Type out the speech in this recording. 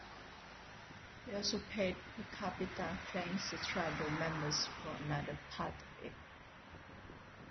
They also paid per capita claims to tribal members for another part of it.